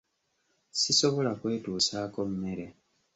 Sisobola kwetuusaako mmere.